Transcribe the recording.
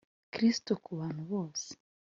Kristo ku bantu bose